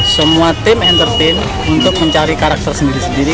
semua tim entertain untuk mencari karakter sendiri sendiri